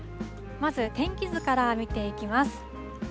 まず天気図から見ていきます。